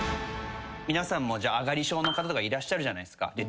皆さんもあがり症の方とかいらっしゃるじゃないですか。